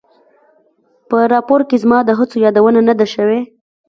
په راپور کې زما د هڅو یادونه نه ده شوې.